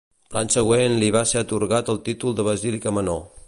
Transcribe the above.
L'any següent li va ser atorgat el títol de basílica menor.